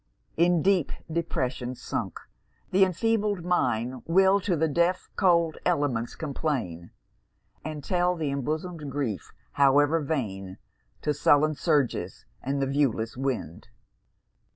In deep depression sunk, the enfeebled mind Will to the deaf, cold elements complain, And tell the embosom'd grief, however vain, To sullen surges and the viewless wind.